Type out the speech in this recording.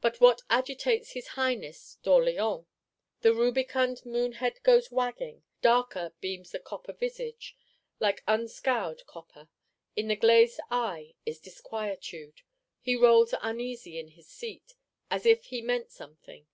But what agitates his Highness d'Orléans? The rubicund moon head goes wagging; darker beams the copper visage, like unscoured copper; in the glazed eye is disquietude; he rolls uneasy in his seat, as if he meant something.